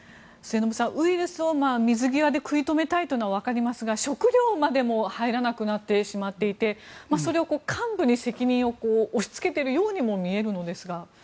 ウイルスを水際で食い止めたいというのはわかりますが食糧までも入らなくなってしまっていてそれを幹部に責任を押しつけているようにも見えるのですが。